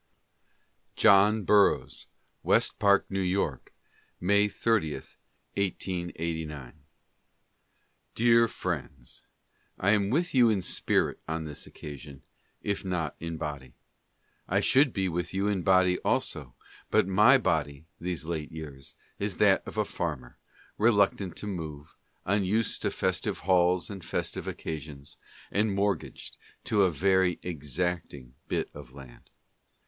55 John Burroughs: West Park, JV. K, May 30, 1889. Dear Friends : I am with you in spirit on this occasion, if not in body. I should be with you in body also, but my body, these late years, is that of a farmer, reluctant to move, unused to festive halls and festive occasions, and mortgaged to a very ex acting bit of land.